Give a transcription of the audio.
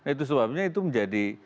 itu sebabnya itu menjadi